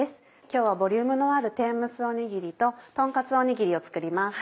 今日はボリュームのある天むすおにぎりととんカツおにぎりを作ります。